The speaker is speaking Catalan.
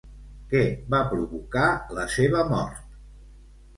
Què va provocar la seva mort?